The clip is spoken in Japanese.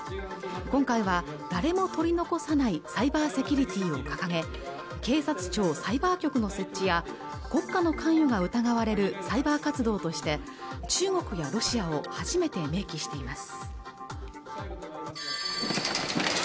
今回は誰も取り残さないサイバーセキュリティを掲げ警察庁サイバー局の設置や国家の関与が疑われるサイバー活動として中国やロシアを初めて明記しています